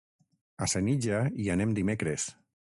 A Senija hi anem dimecres.